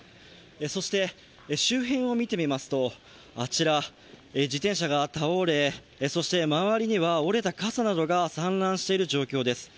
そして、周辺を見てみますと、自転車が倒れそして周りには折れた傘などが散乱している状況です。